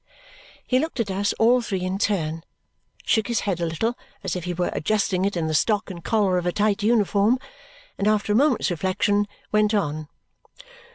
He looked at us all three in turn, shook his head a little as if he were adjusting it in the stock and collar of a tight uniform, and after a moment's reflection went on.